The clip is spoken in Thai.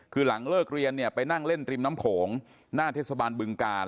คือหลังเลิกเรียนเนี่ยไปนั่งเล่นริมน้ำโขงหน้าเทศบาลบึงกาล